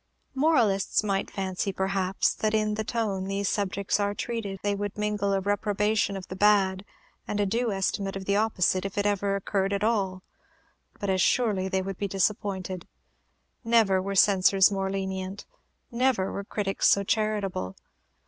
Moralists might fancy, perhaps, that in the tone these subjects are treated they would mingle a reprobation of the bad, and a due estimate of the opposite, if it ever occurred at all; but as surely would they be disappointed. Never were censors more lenient, never were critics so charitable.